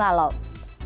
saya salah oke